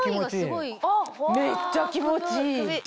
めっちゃ気持ちいい。